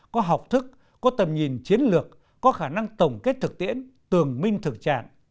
có học thức có tầm nhìn chiến lược có khả năng tổng kết thực tiễn tường minh thực trạng